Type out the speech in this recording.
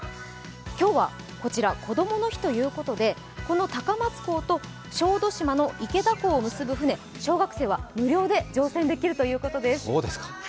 今日はこどもの日ということでこの高松港と小豆島の池田港を結ぶ船に小学生は無料で乗船できるということです。